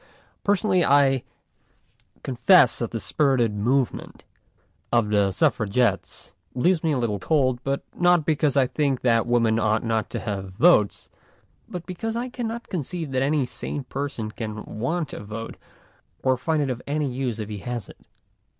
Personally, I confess that the spirited movement of the Suffragettes leaves me a little cold, not because I think that women ought not to have votes, but because I can not conceive that any sane person can want a vote or find it of any use if he has it.